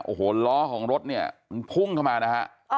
โอ้โหล้อของรถเนี่ยมันพุ่งเข้ามานะฮะ